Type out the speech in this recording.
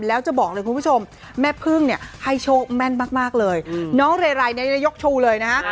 แล้วจะบอกเลยคุณผู้ชมแม่พึ่งเนี่ยให้โชคแม่นมากเลยน้องเรไรเนี่ยได้ยกโชว์เลยนะฮะ